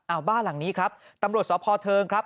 เอาบ้านหลังนี้ครับตำรวจสพเทิงครับ